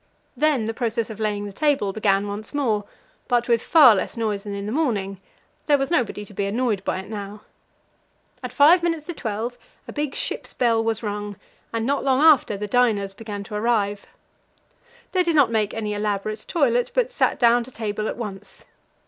Then the process of laying the table began once more, but with far less noise than in the morning; there was nobody to be annoyed by it now. At five minutes to twelve a big ship's bell was rung, and not long after the diners began to arrive. They did not make any elaborate toilet, but sat down to table at once.